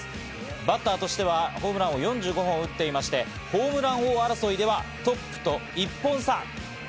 バッターとしてはホームラン４５本打っていましてホームラン王争いでは、トップと１本差。